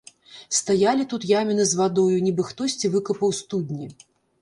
Стаялі тут яміны з вадою, нібы хтосьці выкапаў студні.